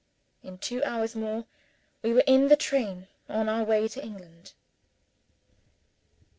In two hours more, we were in the train, on our way to England.